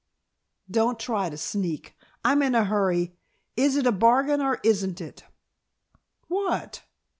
"Don't try to sneak, I'm in a hurry. Is it a bargain or isn't it?" "What?"